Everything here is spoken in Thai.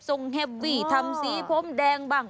ทรงเฮฟวี่ทำสีพร้อมแดงบ้าง